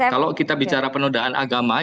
kalau kita bicara penodaan agama